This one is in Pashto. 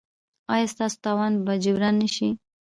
ایا ستاسو تاوان به جبران نه شي؟